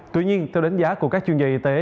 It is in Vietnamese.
tuy nhiên theo đánh giá của các chuyên gia y tế